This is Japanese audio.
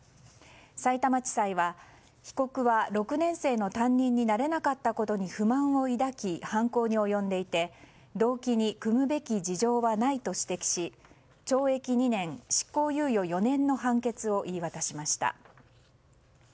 さいたま地裁は、被告は６年生の担任になれなかったことに不満を抱き、犯行に及んでいて動機に酌むべき事情はないと指摘し懲役２年、執行猶予４年の判決を言い渡しました。